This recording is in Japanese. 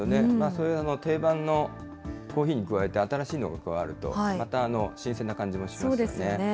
そういう定番のコーヒーに加えて、新しいのが加わると、また新鮮な感じもしますよね。